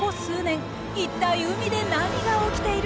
一体海で何が起きているのか？